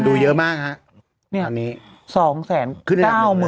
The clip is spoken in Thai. คนดูเยอะมากครับ